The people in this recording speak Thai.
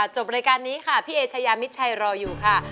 จบรายการนี้ค่ะพี่เอชายามิดชัยรออยู่ค่ะ